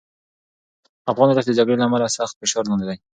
افغان ولس د جګړې له امله سخت فشار لاندې دی.